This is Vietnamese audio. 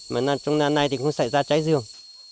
mà trong năm nay thì không xảy ra cháy rừng